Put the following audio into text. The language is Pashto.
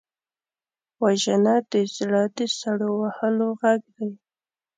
وژنه د زړه د سړو وهلو غږ دی